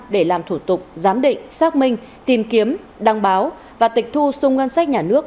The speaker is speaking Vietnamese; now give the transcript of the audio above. để làm thủ tục giám định xác minh tìm kiếm đăng báo và tịch thu sung ngân sách nhà nước